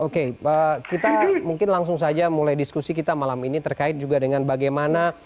oke kita mungkin langsung saja mulai diskusi kita malam ini terkait juga dengan bagaimana